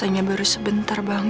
apa yang lo inginkan sekarang